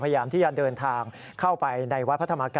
พระบุว่าจะมารับคนให้เดินทางเข้าไปในวัดพระธรรมกาลนะคะ